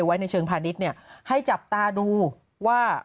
ไว้ในเชิงพาณิชย์เนี่ยให้จับตาดูว่า